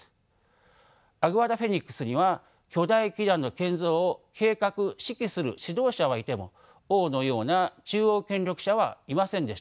アグアダ・フェニックスには巨大基壇の建造を計画指揮する指導者はいても王のような中央権力者はいませんでした。